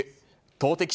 投てき